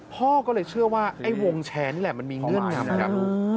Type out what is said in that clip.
พ่อก็เลยเชื่อว่าไอ้วงแชร์นี่แหละมันมีเงื่อนงำครับ